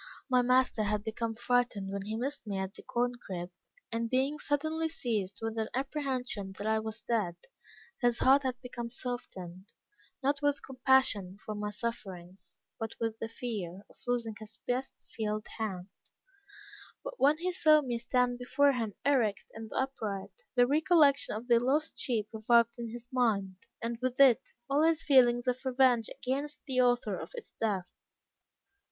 My master had become frightened when he missed me at the corn crib, and being suddenly seized with an apprehension that I was dead, his heart had become softened, not with compassion for my sufferings, but with the fear of losing his best field hand; but when he saw me stand before him erect, and upright, the recollection of the lost sheep revived in his mind, and with it, all his feelings of revenge against the author of its death.